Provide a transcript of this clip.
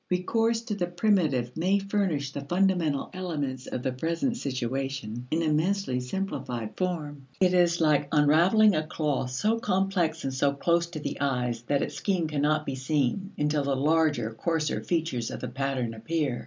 Recourse to the primitive may furnish the fundamental elements of the present situation in immensely simplified form. It is like unraveling a cloth so complex and so close to the eyes that its scheme cannot be seen, until the larger coarser features of the pattern appear.